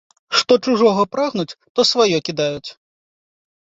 Што чужога прагнуць, то сваё кідаюць.